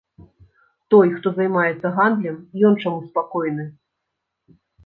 Той, хто займаецца гандлем, ён чаму спакойны?